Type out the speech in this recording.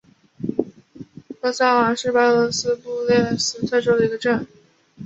科萨瓦是白俄罗斯布列斯特州的一个镇。